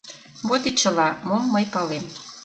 Вот и чыла, мом мый палем.